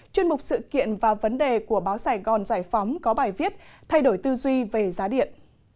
chuyên mục sự kiện và vấn đề của báo sài gòn giải phóng có bài viết thay đổi tư duy về giá điện